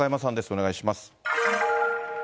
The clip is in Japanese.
お願いします。